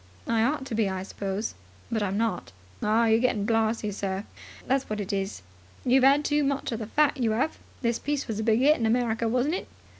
"I ought to be, I suppose. But I'm not." "Ah, you're getting blarzy, sir, that's what it is. You've 'ad too much of the fat, you 'ave. This piece was a big 'it in America, wasn't it?"